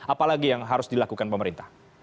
apalagi yang harus dilakukan pemerintah